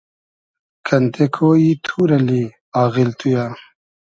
کئنتې کۉیی توور اللی آغیل تو یہ